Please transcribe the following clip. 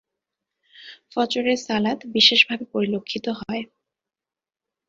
ফজরের সালাত বিশেষভাবে পরিলক্ষিত হয়।